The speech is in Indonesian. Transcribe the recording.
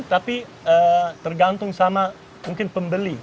tapi tergantung sama mungkin pembeli